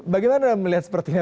bagaimana melihat sepertinya